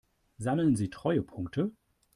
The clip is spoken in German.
Sammeln Sie Treuepunkte?